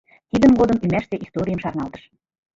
Тидын годым ӱмашсе историйым шарналтыш.